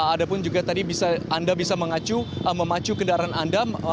ada pun juga tadi anda bisa mengacu memacu kendaraan anda